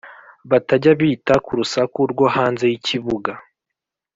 batajya bita ku rusaku rwo hanze y’ikibuga